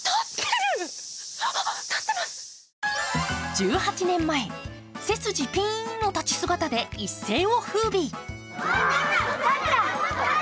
１８年前、背筋ぴーんの立ち姿で一世をふうび。